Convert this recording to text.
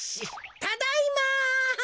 ただいま！